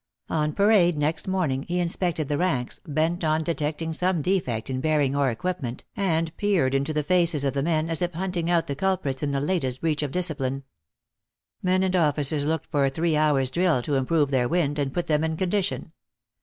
On parade, next morning, he inspected the ranks, bent on detecting some defect in bearing or equipment, and peered into the faces of the men, as if hunting out the culprits in the latest breach of discipline. Men and officers looked for a three hours drill, to improve their wind, and put them in condition.